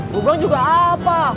gua bilang juga apa